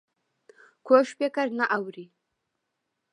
کوږ فکر حق نه اوري